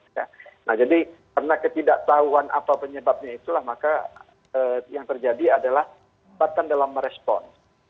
nah jadi karena ketidaktahuan apa penyebabnya itulah maka yang terjadi adalah batan dalam merespon